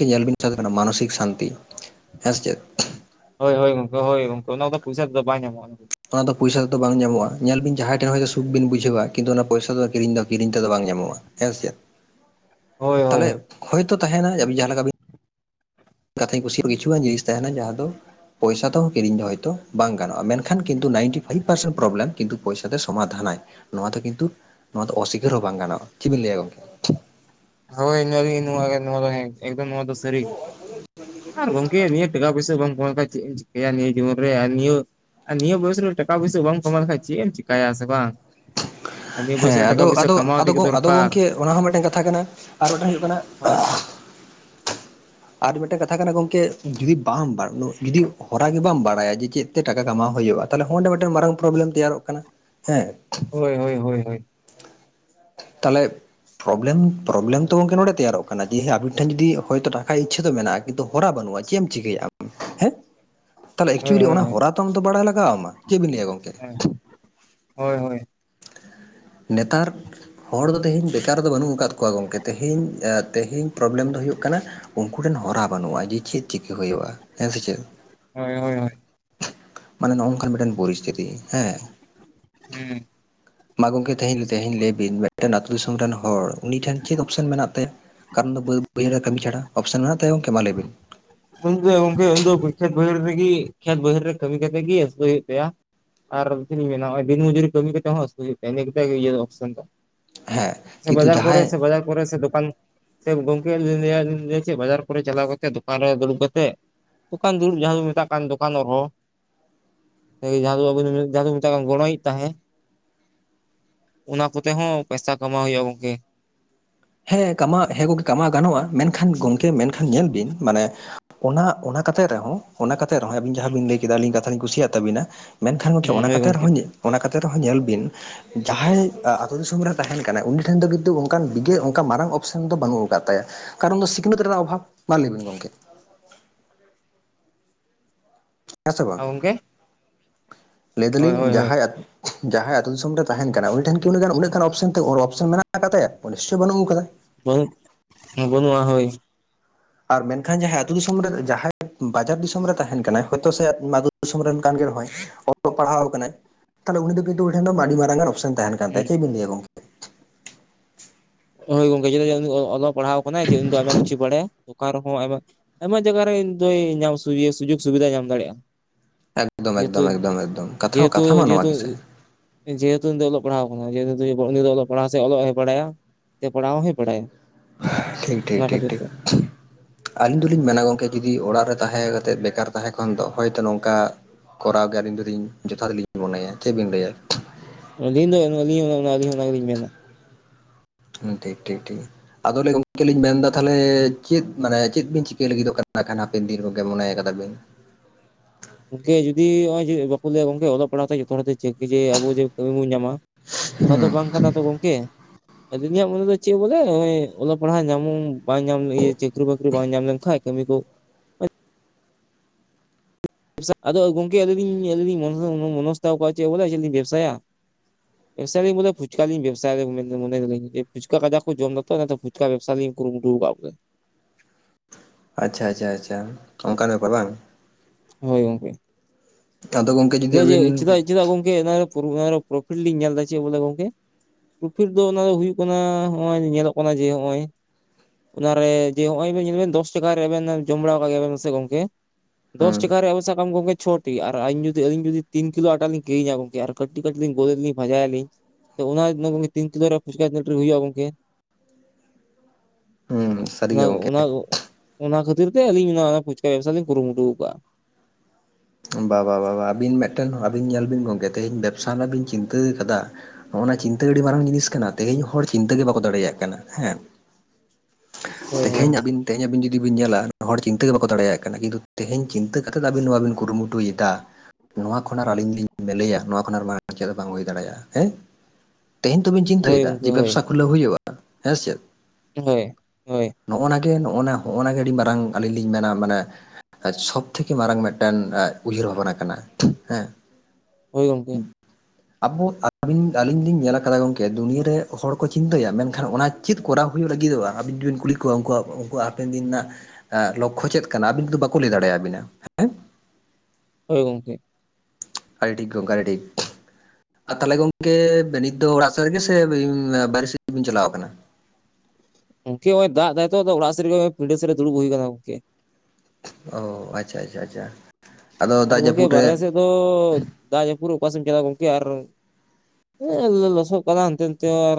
[inaudible] ᱧᱮᱞ ᱵᱤᱱ ᱥ ᱠᱟᱱᱟ ᱢᱟᱱᱚᱥᱤᱠ ᱥᱟᱱᱛᱤ ᱦᱮᱸ ᱪᱮᱫ ᱦᱳᱭ ᱦᱳᱭ ᱜᱚᱢᱠ ᱦᱳᱭ ᱜᱚᱢᱠᱮ ᱚᱱᱟ ᱫᱚ ᱯᱚᱭᱥᱟ ᱛᱮᱫᱚ ᱵᱟᱝ ᱧᱟᱢᱚᱜᱼᱟ ᱚᱱᱟ ᱫᱚ ᱯᱚᱭᱥᱟ ᱛᱮᱫᱚ ᱵᱟᱝ ᱧᱟᱢᱚᱜᱼᱟ ᱧᱮᱞ ᱵᱤᱱ ᱡᱟᱦᱟᱸᱭ ᱴᱷᱮᱱ ᱦᱚᱛᱚ ᱥᱩᱠ ᱵᱤᱱ ᱵᱩᱡᱷᱟᱹᱣᱟ ᱠᱤᱱᱛᱩ ᱚᱱᱟ ᱯᱚᱭᱥᱟ ᱫᱚ ᱠᱤᱨᱤᱧ ᱫᱚ ᱠᱤᱨᱤᱧ ᱛᱮᱫᱚ ᱵᱟᱝ ᱧᱟᱢᱚᱜ-ᱟ ᱦᱮᱸ ᱥᱮ ᱦᱳᱭ ᱦᱳᱭ ᱛᱟᱦᱚᱞᱮ ᱦᱳᱭᱛᱳ ᱛᱟᱦᱮᱱᱟ ᱡᱟᱦᱟᱸ ᱞᱮᱠᱟᱵᱤᱱ ᱠᱟᱛᱷᱟᱧ ᱠᱩᱥᱤᱭᱟᱜᱼᱟ ᱠᱤᱪᱷᱩᱟᱱ ᱡᱤᱱᱤᱥ ᱛᱟᱦᱮᱱᱟ ᱡᱟᱦᱟᱸ ᱫᱚ ᱯᱚᱭᱥᱟ ᱛᱮᱦᱚᱸ ᱠᱤᱨᱤᱧ ᱫᱚ ᱦᱚᱭᱛᱚ ᱵᱟᱝ ᱜᱟᱱᱚᱜ-ᱟ ᱢᱮᱱᱠᱷᱟᱱ ᱠᱤᱱᱛᱩ ᱱᱟᱭᱤᱱᱴᱤ ᱯᱷᱟᱭᱤᱵᱷ ᱯᱟᱨᱥᱮᱱᱴ ᱯᱨᱚᱵᱽᱞᱮᱢ ᱠᱤᱱᱛᱩ ᱯᱚᱭᱥᱟᱛᱮ ᱥᱚᱢᱟᱫᱷᱟᱱᱟᱭ ᱱᱚᱣᱟ ᱫᱚ ᱠᱤᱱᱛᱩ ᱱᱚᱣᱟ ᱫᱚ ᱚᱥᱤᱠᱟᱹᱨ ᱦᱚᱸ ᱵᱟᱝ ᱜᱟᱱᱚᱜ-ᱟ ᱪᱮᱫ ᱵᱤᱱ ᱞᱟᱹᱭᱟ ᱜᱚᱝᱠᱮ ᱦᱳᱭᱱ [unintelligible] ᱤᱱᱟ ᱮᱠᱫᱚᱢ ᱱᱚᱣᱟ ᱫᱚ ᱥᱟᱹᱨᱤ ᱜᱮ ᱟᱨ ᱜᱚᱝᱠᱮ ᱱᱤᱭᱟᱹ ᱴᱟᱠᱟ ᱯᱚᱭᱥᱟ ᱵᱟᱝ ᱠᱷᱟᱱ ᱫᱤᱢ [inaudible] ᱱᱤᱭᱟᱹ ᱵᱥ [unintelligible] ᱚᱠᱟ ᱯᱩᱭᱥᱟᱹ ᱵᱟᱝ ᱠᱚᱢᱟᱞ ᱠᱷᱟᱭ ᱪᱮᱫ ᱮᱢ ᱪᱤᱠᱟᱭᱟ ᱟᱥᱮ ᱵᱟᱝ ᱟᱨ ᱱᱤᱭᱟᱹ ᱵᱚᱭᱚᱥ ᱦᱮᱸ ᱨᱮ ᱟᱫᱚ ᱴᱟᱠᱟ ᱯᱚᱭᱥᱟ ᱟᱫᱚ ᱠᱟᱢᱟᱣ ᱛᱮ ᱟᱫᱚ ᱟᱫᱚ ᱫᱚᱨᱠᱟᱨ ᱜᱚᱝᱠᱮ ᱚᱱᱟ ᱦᱚᱸ ᱢᱤᱫᱴᱮᱱ ᱠᱟᱛᱷᱟ ᱠᱟᱱᱟ ᱟᱨ ᱢᱤᱫᱴᱮᱱ ᱦᱩᱭᱩᱜ ᱠᱟᱱᱟ ᱟᱨ ᱢᱤᱫᱴᱮᱱ ᱠᱟᱛᱷᱟ ᱠᱟᱱᱟ ᱜᱚᱢᱠᱮ ᱡᱩᱫᱤ ᱵᱟᱢ ᱡᱩᱫᱤ ᱦᱚᱨᱟ ᱜᱮ ᱵᱟᱢ ᱵᱟᱰᱟᱭᱟ ᱡᱮ ᱪᱮᱫ ᱴᱟᱠᱟ ᱠᱟᱢᱟᱣ ᱦᱩᱭᱩᱜᱼᱟ ᱛᱮᱰᱮ ᱢᱤᱫᱴᱮᱱ ᱢᱟᱨᱟᱝ ᱯᱨᱚᱵᱞᱮᱢ ᱛᱮᱭᱟᱨᱚᱜ ᱠᱟᱱᱟ ᱦᱮᱸ ᱦᱳᱭ ᱦᱳᱭ ᱦᱳᱭ ᱛᱟᱦᱚᱞᱮ ᱯᱨᱚᱵᱮᱞᱮᱢ ᱯᱨᱚᱵᱞᱮᱢ ᱫᱚ ᱜᱚᱝᱠᱮ ᱱᱚᱰᱮ ᱛᱮᱭᱟᱨᱚᱜ ᱠᱟᱱᱟ ᱡᱮ ᱟᱵᱮᱱ ᱴᱷᱮᱱ ᱡᱩᱫᱤ ᱦᱚᱭᱳ ᱴᱟᱠᱟ ᱤᱪᱷᱟᱹ ᱫᱚ ᱢᱮᱱᱟᱜ ᱠᱤᱱᱛᱩ ᱦᱚᱨᱟ ᱵᱟᱹᱱᱩᱜ-ᱟ ᱪᱮᱫ ᱮᱢ ᱪᱤᱠᱟᱹᱭᱟ ᱦᱮᱸ ᱛᱟᱦᱚᱞᱮ ᱦᱳᱭ ᱮᱠᱪᱩᱭᱮᱞᱤ ᱦᱳᱭ ᱚᱱᱟ ᱦᱳᱭ ᱦᱚᱨᱟ ᱛᱚᱱ ᱫᱚ ᱵᱟᱰᱟᱭ ᱞᱟᱜᱟᱣᱟᱢᱟ ᱪᱮᱫ ᱵᱤᱱ ᱞᱟᱹᱭᱟ ᱜᱚᱝᱠᱮ ᱦᱳᱭ ᱦᱳᱭ ᱱᱮᱛᱟᱨ ᱦᱚᱲ ᱫᱚ ᱛᱮᱦᱮᱧ ᱵᱮᱠᱟᱨ ᱫᱚ ᱵᱟᱹᱱᱩᱜ ᱟᱠᱟᱫ ᱠᱚᱣᱟ ᱜᱚᱢᱠᱮ ᱛᱮᱦᱮᱧ ᱛᱮᱦᱮᱧ ᱯᱨᱚᱵᱞᱮᱢ ᱫᱚ ᱦᱩᱭᱩᱜ ᱠᱟᱱᱟ ᱩᱱᱠᱩ ᱴᱷᱮᱱ ᱦᱚᱨᱟ ᱵᱟᱹᱱᱩᱜᱼᱟ ᱡᱮ ᱪᱮᱫ ᱪᱤᱠᱟᱹ ᱦᱩᱭᱩᱜᱼᱟ ᱦᱮᱸ ᱥᱮ ᱪᱮᱫ ᱦᱳᱭ ᱦᱳᱭ ᱦᱳᱭ ᱢᱟᱱᱮ ᱱᱚᱜ ᱚᱭ ᱱᱚᱝᱠᱟᱱ ᱢᱤᱫᱴᱮᱱ ᱯᱚᱨᱤᱥᱛᱤᱛᱤ ᱦᱮᱸ ᱦᱳᱭ ᱢᱟ ᱜᱚᱢᱠᱮ ᱛᱮᱦᱤᱧᱦᱧ ᱞᱟᱹᱭ ᱵᱤᱱ ᱢᱤᱫᱴᱮᱱ ᱟᱹᱛᱩᱳ ᱫᱤᱥᱚᱢ ᱨᱮᱱ ᱦᱚᱲ ᱩᱱᱤ ᱴᱷᱮᱱ ᱪᱮᱫ ᱚᱯᱥᱮᱱ ᱢᱮᱱᱟᱜ ᱛᱟᱭᱟ ᱠᱟᱱ ᱫᱚ ᱨᱮ ᱠᱟᱹᱢᱤ ᱪᱷᱟᱰᱟ ᱚᱯᱥᱮᱱ ᱢᱮᱱᱟᱜ ᱛᱟᱭᱚᱢ ᱢᱟ ᱞᱟᱹᱭ ᱵᱤᱱ ᱩᱱ ᱜᱚᱢᱠᱮ ᱩᱱ ᱫᱚ ᱠᱷᱮᱛ ᱵᱟᱹᱭᱦᱟᱹᱲ ᱨᱮᱜᱮ ᱠᱷᱮᱛ ᱵᱟᱹᱭᱦᱟᱹᱲ ᱨᱮ ᱠᱟᱹᱢᱤ ᱠᱟᱛᱮ ᱜᱮ ᱟᱹᱥᱩᱞ ᱦᱩᱭᱩᱜ ᱛᱟᱭᱟ ᱟᱨ ᱪᱮᱫ ᱤᱧ ᱢᱮᱱᱟᱜ ᱵᱤᱱ ᱢᱚᱡᱩᱨᱤ ᱠᱟᱹᱢᱤ ᱠᱟᱛᱮ ᱦᱚᱸ ᱟᱹᱥᱩᱞ ᱦᱩᱭᱩᱜ ᱤᱱᱟᱹ ᱠᱟᱛ ᱜᱮ ᱤᱭᱟᱹ ᱚᱯᱥᱮᱱ ᱫᱚ ᱦᱮᱸ ᱠᱤᱱᱛᱩ ᱵᱟᱡᱟᱨ ᱠᱚᱨᱮ ᱡᱟᱦᱟᱸᱭ ᱥᱮ ᱵᱟᱡᱟᱨ ᱠᱚ ᱨᱮ ᱥᱮ ᱫᱩᱠᱟᱱ ᱜᱚᱝᱠᱮ ᱪᱮᱫ ᱵᱟᱡᱟᱨ ᱠᱚᱨᱮ ᱪᱟᱞᱟᱣ ᱠᱟᱛᱮᱫ ᱫᱚᱠᱟᱱ ᱨᱮ ᱫᱩᱲᱩᱵ ᱠᱟᱛᱮᱜ ᱫᱚᱠᱟᱱ ᱫᱩᱲᱩᱵ ᱡᱟᱦᱟᱸ ᱠᱚ ᱢᱮᱛᱟᱜ ᱠᱟᱱ ᱫᱚᱠᱟᱱ ᱨᱮᱦᱚᱸ ᱡᱟᱦᱟᱸᱵ ᱡᱟᱦᱟᱸ ᱢᱮᱛᱟᱜ ᱜᱚᱲᱚᱭᱮᱫ ᱛᱟᱦᱮᱸᱫ ᱚᱱᱟ ᱠᱚᱛᱮ ᱦᱚᱸ ᱯᱚᱭᱥᱟ ᱠᱟᱢᱟᱣ ᱦᱩᱭᱩᱜ-ᱟ ᱜᱚᱝᱠᱮ ᱦᱮᱸ ᱠᱟᱢᱟᱣ ᱦᱮᱸ ᱠᱚᱜᱮ ᱠᱟᱢᱟᱣ ᱜᱟᱱᱚᱜᱼᱟ ᱢᱮᱱᱠᱷᱟᱱ ᱜᱚᱢᱠᱮ ᱢᱮᱱᱠᱷᱟᱱ ᱧᱮᱞ ᱵᱤᱱ ᱢᱟᱱᱮ ᱚᱱᱟ ᱚᱱᱟ ᱠᱟᱛᱮᱫ ᱨᱮᱦᱚᱸ ᱚᱱᱟ ᱠᱟᱛᱮᱫ ᱨᱮᱦᱚᱸ ᱟᱵ ᱡᱟᱦᱟᱸᱵᱤᱱ ᱞᱟᱹᱭ ᱠᱮᱫᱟ ᱟᱹᱞᱤᱧ ᱠᱟᱛᱷᱟ ᱞᱤᱧ ᱠᱩᱥᱤᱭᱟᱜ ᱛᱟᱹᱵᱤᱱᱟ ᱢᱮᱱᱠᱷᱟᱱ ᱜᱚᱢᱠᱮ ᱦᱩᱸ ᱚᱱᱟ ᱦᱳᱭ ᱠᱟᱛᱮᱫ ᱜᱚᱝᱠᱮ ᱨᱮᱦᱚᱸᱧ ᱚᱱᱟᱛ ᱨᱮᱦᱚᱸ ᱧᱮᱞ ᱵᱤᱱ ᱡᱟᱦᱟᱸᱭ ᱟᱛᱳ ᱫᱤᱥᱚᱢ ᱨᱮ ᱛᱟᱦᱮᱱ ᱠᱟᱱᱟ ᱩᱱᱤ ᱴᱷᱮᱱ ᱫᱚ ᱠᱤᱱᱛᱩ ᱚᱱᱠᱟᱱ ᱵᱤᱜᱮ ᱚᱱᱠᱟ ᱢᱟᱨᱟᱝ ᱚᱯᱥᱮᱱ ᱫᱚ ᱵᱟᱹᱱᱩᱜ ᱟᱠᱟᱫ ᱛᱟᱭᱟ ᱠᱟᱨᱚᱱ ᱫᱚ ᱥᱤᱠᱷᱱᱟᱹᱛ ᱨᱮᱱᱟᱜ ᱚᱵᱷᱟᱵᱽ ᱢᱟ ᱞᱟᱹᱭᱵᱮᱱ ᱜᱚᱝᱠᱮ ᱦᱮᱸ ᱥᱮ ᱵᱟᱝ ᱜᱚᱝᱠᱮ ᱞᱟᱹᱭ ᱦᱳᱭ ᱫᱟᱞᱤᱧ ᱦᱳᱭ ᱦᱳᱭ ᱡᱟᱦᱟᱸᱭ ᱡᱟᱦᱟᱸᱭ ᱟᱹᱛᱳ ᱫᱤᱥᱚᱢ ᱨᱮ ᱛᱟᱦᱮᱱ ᱠᱟᱱᱟ ᱩᱱᱤ ᱴᱷᱮᱱ ᱠᱤ ᱞᱟᱹᱭᱟᱱ ᱩᱱᱟᱹᱜ ᱜᱟᱱ ᱚᱯᱥᱮᱱ ᱛᱮ ᱚᱯᱥᱮᱱ ᱢᱮᱱᱟᱜ ᱠᱟᱜ ᱛᱟᱭᱟ ᱚᱱᱤᱥᱪᱚᱭ ᱵᱟᱹᱱᱩᱜ ᱟᱠᱟᱫᱟ [unintelligible] ᱵᱟᱹᱱᱩᱜᱟ ᱦᱚᱭ ᱟᱨ ᱢᱮᱱᱠᱷᱟᱱ ᱡᱟᱦᱟᱸᱭᱛᱳ ᱫᱤᱥᱚᱢ ᱨᱮ ᱡᱟᱦᱟᱸᱭ ᱵᱟᱡᱟᱨ ᱫᱤᱥᱚᱢ ᱨᱮ ᱛᱟᱦᱮᱱ ᱠᱟᱱᱟᱭ ᱦᱭᱛᱳ ᱥᱮ ᱫᱤᱥᱚᱢ ᱨᱮᱱ ᱠᱟᱱ ᱜᱮ ᱨᱮᱦᱭ ᱚᱞᱚᱜ ᱯᱟᱲᱦᱟᱣ ᱟᱠᱟᱱᱟᱭ ᱛᱟᱦᱚᱞᱮ ᱩᱱᱤ ᱫᱚ ᱠᱤᱱᱛᱩ ᱩᱱᱤ ᱴᱷᱮᱱ ᱫᱚ ᱟᱹᱰᱤ ᱢᱟᱨᱟᱝᱟᱱ ᱚᱥᱮᱱ ᱛᱟᱦᱮᱱ ᱠᱟᱱ ᱦᱩᱸ ᱛᱟᱭᱟᱠᱮ ᱵᱤᱞᱭᱟ ᱜᱚᱝ ᱦᱳᱭ ᱜᱚᱝᱠᱮ ᱡᱮ ᱩᱱᱤ ᱚᱞᱚᱜ ᱯᱟᱲᱦᱟᱣ ᱠᱟᱱᱟᱭ ᱡᱮ ᱩᱱᱤ ᱫᱚ ᱟᱭᱢᱟ ᱠᱤᱪᱷᱩᱭ ᱵᱟᱲᱟᱭᱟ ᱚᱠᱟ ᱨᱮᱦᱚᱸ ᱟᱭᱢᱟ ᱟᱭᱢᱟ ᱡᱟᱭᱜᱟ ᱨᱮ ᱫᱚᱧ ᱥᱩᱡᱳᱜᱽ ᱥᱩᱵᱤᱫᱷᱟ ᱧᱟᱢ ᱫᱟᱲᱮᱭᱟᱜᱼᱟ ᱮᱠᱫᱚᱢ ᱡᱮᱦᱮᱛᱩ ᱮᱠᱫᱚᱢ ᱮᱠᱫᱚᱢ ᱮᱠᱫᱚᱢ ᱠᱟᱛᱷᱟ ᱡᱮᱦᱮᱛᱩ ᱠᱟᱛᱷᱟ ᱢᱟᱱᱟᱣᱟ ᱡᱮᱦᱮᱛᱩ ᱜᱮᱪᱮ ᱡᱮᱦᱮᱛᱩ ᱩᱱᱤ ᱫᱚ ᱚᱞᱚᱜ ᱯᱟᱲᱦᱟᱣ ᱠᱟᱱᱟ ᱡᱮᱦᱮᱛᱩ ᱩᱱᱤ ᱫᱚ ᱚᱞᱚᱜ ᱯᱟᱲᱦᱟᱜ ᱥᱮ ᱚᱞᱚᱜ ᱜᱮᱭ ᱵᱟᱲᱟᱭᱟ ᱯᱟᱲᱦᱟᱣ ᱦᱚᱸ ᱯᱟᱲᱦᱟᱭᱭᱟ ᱴᱷᱤᱠ ᱴᱷᱤᱠ ᱴᱷᱤᱠ ᱴᱷᱤᱠ ᱟᱹᱞᱤᱧ ᱫᱚᱞᱤᱧ ᱢᱮᱱᱟ ᱜᱚᱢᱠᱮ ᱡᱩᱫᱤ ᱚᱲᱟᱜ ᱨᱮ ᱛᱟᱦᱮᱸ ᱠᱟᱛᱮᱫ ᱵᱮᱠᱟᱨ ᱛᱟᱦᱮᱸ ᱠᱷᱟᱱ ᱫᱚ ᱦᱚᱭᱛᱳ ᱱᱚᱝᱠᱟ ᱠᱚᱨᱟᱣ ᱜᱮᱭᱟ ᱟᱹᱞᱤᱧ ᱫᱚᱞᱤᱧ ᱡᱚᱛᱷᱟᱛ ᱞᱤᱧ ᱢᱚᱱᱮᱭᱟ ᱪᱮᱫ ᱵᱤᱱ ᱞᱟᱹᱭᱟ ᱟᱹᱞᱤᱧ ᱫᱚ ᱟᱹᱞᱤᱧᱞᱤᱧ ᱚᱱᱟ ᱱᱟᱜ ᱞᱤᱧ ᱢᱮᱱᱟ ᱴᱷᱤᱠ ᱴᱷᱤᱠ ᱴᱷᱤᱠ ᱟᱫᱚᱞᱮ ᱜᱚᱢᱠᱮ ᱞᱤᱧ ᱢᱮᱱᱫᱟ ᱛᱟᱦᱚᱞᱮ ᱪᱮᱫ ᱢᱟᱱᱮ ᱪᱮᱫ ᱵᱤᱱ ᱪᱤᱠᱟᱹᱭ ᱞᱟᱹᱜᱤᱫᱚᱜ ᱠᱟᱱᱟ ᱠᱷᱟᱱ ᱦᱟᱯᱮᱱ ᱫᱤᱱ ᱠᱚᱜᱮ ᱢᱚᱱᱮ ᱠᱟᱫᱟ ᱵᱤᱱ ᱜᱚᱝᱠᱮ ᱡᱩᱫᱤ ᱚᱭ ᱵᱟᱠᱚ ᱞᱟᱹᱭᱟ ᱜᱚᱝᱠᱮ ᱚᱞᱚᱜ ᱯᱟᱲᱦᱟᱜ ᱡᱚᱛᱚ ᱦᱚᱲ ᱪᱮᱫ ᱛᱮ ᱡᱮ ᱟᱵᱚ ᱡᱮ ᱠᱟᱹᱢᱤ ᱵᱚᱱ ᱧᱟᱢᱟ ᱚᱱᱠᱟ ᱛᱚ ᱵᱟᱝ ᱠᱟᱱᱟ ᱛᱚ ᱜᱚᱝᱠᱮ ᱟᱧᱟᱜ ᱢᱚᱱᱮ ᱫᱚ ᱪᱮᱫ ᱵᱚᱞᱮ ᱱᱚᱜ ᱚᱭ ᱚᱞᱚᱜ ᱯᱟᱲᱦᱟᱜ ᱧᱟᱢ ᱵᱟᱝ ᱧᱟᱢ ᱪᱟᱹᱠᱨᱤᱼ ᱵᱟᱹᱠᱨᱤ ᱵᱟᱝ ᱧᱟᱢ ᱞᱮᱱᱠᱷᱟᱱ ᱠᱟᱹᱢᱤ ᱠᱚ ᱵᱮᱥ ᱟᱫᱚ ᱜᱚᱝᱠᱮ ᱟᱹᱞᱤᱧ ᱟᱹᱞᱤᱧ ᱢᱚᱱᱚᱥᱛᱟᱣ ᱠᱚᱣᱟ ᱵᱚᱞᱮ ᱪᱮᱫ ᱞᱤᱧ ᱵᱮᱵᱽᱥᱟᱭᱟ ᱦ [inaudible] ᱵᱮᱵᱽᱥᱟ ᱞᱤᱧ ᱵᱚᱞᱮ ᱯᱷᱩᱪᱠᱟ ᱞᱤᱧ ᱵᱮᱵᱽᱥᱟ ᱢᱮᱧ ᱯᱷᱩᱠᱟ ᱠᱟᱡᱟ ᱠᱚ ᱡᱚᱢ ᱯᱷᱩᱪᱠᱟ ᱵᱮᱵᱥᱟᱧ ᱠᱩᱨᱩᱢᱴᱩ ᱠᱟᱜ ᱟᱪᱪᱷᱟ ᱟᱪᱪᱷᱟ ᱟᱪᱪᱷᱟ ᱚᱱᱠᱟᱱ ᱵᱮᱯᱟᱨ ᱵᱟᱝ ᱦᱳᱭ ᱜᱚᱝᱠᱮ ᱟᱫᱚ ᱠᱚᱢ ᱪᱮᱫᱟᱜ ᱡᱮ ᱪᱮᱫᱟᱜ ᱪᱮᱫᱟᱜ ᱜᱚᱝᱠᱮ ᱚᱱᱟ ᱯᱨᱚᱯᱷᱤᱴ ᱞᱤᱧ ᱧᱮᱞ ᱮᱫᱟ ᱪᱮᱫ ᱵᱚᱞᱮ ᱜᱚᱝᱠᱮ ᱯᱨᱚᱯᱷᱤᱴ ᱫᱚ ᱚᱱᱟ ᱫᱚ ᱦᱩᱭᱩᱜ ᱠᱟᱱᱟ ᱱᱚᱜᱼᱚᱭ ᱧᱮᱞᱚᱜ ᱠᱟᱱᱟ ᱡᱮ ᱦᱚᱜᱼᱚᱭ ᱚᱱᱟᱨᱮ ᱡᱮ ᱱᱚᱜᱼᱚᱭ ᱵᱮᱱ ᱧᱮᱞ ᱵᱮᱱ ᱫᱚᱥ ᱴᱟᱠᱟ ᱨᱮ ᱟᱵᱮᱱ ᱡᱚᱢ ᱵᱟᱲᱟ ᱠᱟᱜ ᱜᱮᱭᱟᱵ ᱥᱮ ᱜᱚᱝᱠᱮ ᱫᱚᱥ ᱦᱩᱸ ᱴᱟᱠᱟ ᱨᱮ ᱵᱮᱵᱚᱥᱟ ᱠᱚᱢ ᱠᱚᱜᱮ ᱪᱷᱚᱴᱤ ᱟᱨ ᱟᱡ ᱟᱹᱞᱤᱧ ᱡᱩᱫᱤ ᱛᱤᱱ ᱠᱤᱞᱳ ᱟᱴᱟᱞᱤᱧ ᱠᱤᱨᱤᱧ ᱟᱹᱜᱩ ᱠᱟᱹᱴᱤᱡ ᱠᱟᱹᱴᱤᱡ ᱞᱤᱧ ᱜᱮᱫᱮᱫ ᱞᱤᱧ ᱵᱷᱟᱡᱟᱭ ᱟᱹᱞᱤᱧ ᱛᱚ ᱚᱱᱟ ᱜᱚᱝᱠᱮ ᱛᱤᱱ ᱛᱤᱞᱞᱟ ᱨᱮ ᱯᱷᱩᱪᱠᱟᱡ ᱦᱩᱭᱩᱜᱼᱟ ᱜᱚᱝᱠᱮ ᱦᱚ ᱚᱱᱟ ᱚᱱᱟ ᱚᱱᱟ ᱠᱷᱟᱹᱛᱤᱨ ᱛᱮ ᱟᱹᱞᱤᱧ ᱚᱱᱟ ᱯᱷᱩᱪᱠᱟ ᱵᱮᱵᱽᱥᱟ ᱞᱤᱧ ᱠᱩᱨᱩᱢᱩᱴᱩ ᱟᱠᱟᱟᱜᱼᱟ ᱵᱟᱵᱟ ᱵᱟᱵᱟ ᱟᱹᱵᱤᱱ ᱢᱤᱫᱴᱮᱱ ᱟᱹᱵᱤᱱ ᱧᱮᱞ ᱵᱤᱱ ᱜᱚᱝᱠᱮ ᱛᱮᱦᱮᱧ ᱵᱮᱵᱽᱥᱟ ᱨᱮᱱᱟᱜ ᱵᱤᱱ ᱪᱤᱱᱛᱟᱹ ᱟᱠᱟᱫᱟ ᱱᱚᱜᱼ ᱱᱟ ᱪᱤᱱᱛᱟᱹ ᱟᱹᱰᱤ ᱢᱟᱨᱟᱝ ᱡᱤᱱᱤᱥ ᱠᱟᱱᱟ ᱛᱮᱦᱮᱧ ᱦᱚᱲ ᱪᱤᱱᱛᱟᱹᱜ ᱜᱮ ᱵᱟᱠᱚ ᱫᱟᱲᱮᱭᱟᱜ ᱠᱟᱱᱟ ᱦᱮᱸ ᱦᱳᱭ ᱦᱳᱭ ᱛᱮᱦᱮᱧ ᱟᱹᱵᱤᱱ ᱛᱮᱦᱮᱧᱵ ᱡᱩᱫᱤᱵᱤᱱᱮᱞᱟ ᱦᱚᱲ ᱪᱤᱱᱛᱟᱹ ᱜᱮ ᱵᱟᱠᱚ ᱫᱟᱲᱮᱭᱟᱜ ᱠᱟᱱᱟ ᱠᱤᱱᱛᱩᱦᱮᱧ ᱪᱤᱱᱛᱟᱹ ᱠᱟᱛᱮ ᱟᱵ ᱱᱚᱣᱟᱵᱤᱱ ᱠᱩᱨᱩᱢᱩᱴᱩ ᱫᱩᱭᱴᱟ ᱱᱚᱣᱟ ᱠᱷᱚᱱ ᱟᱨ ᱟᱹᱞᱤᱧ ᱞᱤᱧ ᱞᱟᱹᱭᱟ ᱱᱚᱣᱟ ᱠᱷᱚᱱᱟᱜ ᱢᱟᱨᱟᱝ ᱪᱮᱫ ᱫᱚ ᱵᱟᱝ ᱦᱩᱭ ᱫᱟᱲᱮᱭᱟᱜᱼᱟ ᱦᱮᱸ ᱛᱮᱦᱮᱧ ᱛᱚᱵᱮᱧ ᱦᱳᱭ ᱪᱤᱱᱛᱟᱹᱭᱮᱫᱟ ᱜᱚᱢᱠᱮ ᱡᱮ ᱦᱳᱭ ᱵᱮᱵᱽᱥᱟ ᱠᱷᱩᱞᱟᱹᱣ ᱦᱩᱭᱩᱜᱼᱟ ᱦᱮᱸᱥᱮ ᱦᱮᱸ ᱱᱚᱜᱼᱚᱷ ᱱᱟᱜᱮ ᱱᱚᱜᱼᱚᱱᱟ ᱱᱚᱜᱼᱦᱳ ᱱᱟ ᱜᱮ ᱟᱹᱰᱤ ᱢᱟᱨᱟᱝ ᱟᱹᱞᱤᱧ ᱞᱤᱧ ᱢᱮᱱᱟ ᱢᱟᱱᱮ ᱥᱚᱵᱽ ᱛᱷᱮᱠᱮ ᱢᱟᱨᱟᱝ ᱢᱤᱫ ᱴᱮᱱ ᱟᱷ ᱩᱭᱦᱟᱹᱨ ᱵᱷᱟᱵᱱᱟ ᱠᱟᱱᱟ ᱦᱮᱸ ᱦᱳᱭ ᱜᱚᱝᱠᱮ ᱟᱵᱚ ᱟ-ᱵᱤᱱ ᱟᱞᱤᱧ ᱞᱤᱧ ᱧᱮᱞ-ᱟ ᱠᱟᱫᱟ ᱜᱚᱝᱠᱮ ᱫᱩᱱᱭᱟᱹᱨ ᱨᱮ ᱦᱚᱲ ᱠᱚ ᱪᱤᱱᱛᱟᱹᱭᱟ ᱢᱮᱱᱠᱷᱟᱱ ᱚᱱᱟ ᱪᱮᱫ ᱠᱚᱨᱟᱣ ᱦᱩᱭᱩᱜ ᱞᱟᱹᱜᱤᱫᱚᱜᱼᱟ ᱟᱹᱵᱤᱱ ᱡᱵᱤᱱ ᱠᱩᱞᱤ ᱠᱚᱣᱟ ᱩᱱᱠᱩ ᱩᱱᱠᱩᱣᱟᱜ ᱦᱟᱯᱮᱱ ᱫᱤᱱ ᱨᱮᱱᱟᱜ ᱞᱚᱠᱠᱷᱚ ᱪᱮᱫ ᱠᱟᱱᱟ ᱟᱹᱵᱤᱱ ᱵᱟᱠᱚ ᱞᱟᱹᱭ ᱫᱟᱲᱮᱭᱟᱵᱤᱱᱟ ᱦᱮᱸ ᱦᱳᱭ ᱜᱚᱝᱠᱮ ᱟᱹᱰᱤᱰᱤᱷᱜ ᱜᱚᱝᱠᱮ [unintelligible] ᱛᱟᱦᱚᱞᱮ ᱜᱚᱝᱠᱮ ᱱᱤᱛ ᱫᱚ ᱚᱲᱟᱜ ᱥᱮᱫ ᱨᱮᱜᱮ ᱥᱮ ᱵᱟᱨᱮ ᱥᱮᱫᱤᱧ ᱪᱟᱞᱟᱣ ᱟᱠᱟᱱᱟ ᱜᱚᱢᱠ ᱦᱚᱸᱜ ᱚᱭᱟᱜ ᱫ ᱛᱟᱭᱟᱭᱚ ᱚᱲᱟᱜᱮᱫ ᱯᱤᱰᱟᱹ ᱥᱮᱫ ᱨᱮ ᱫᱲᱩᱵ ᱦᱩᱭ ᱟᱠᱟᱱᱟ ᱜᱚᱝᱠᱮ ᱚ ᱟᱪᱪᱷᱟ ᱟᱪᱪᱷᱟ ᱟᱪᱪᱷᱟ ᱟᱫᱚ ᱟᱨ ᱫᱟᱜ ᱜᱚᱢᱠᱮ ᱡᱟᱹᱯᱩᱫ ᱨᱮ ᱵᱟᱦᱨᱮ ᱥᱮᱫ ᱫᱚ ᱫᱟᱜ ᱡᱟᱹᱯᱩᱫ ᱚᱠᱟᱥᱮᱢ ᱪᱟᱞᱟᱜᱼᱟ ᱜᱚᱢᱠᱮ ᱟᱨ ᱞᱮ ᱞ ᱥ [unintelligible] ᱠᱟ ᱛᱮᱛᱮ ᱟᱨ